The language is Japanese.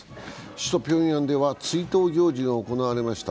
首都ピョンヤンでは追悼行事が行われました。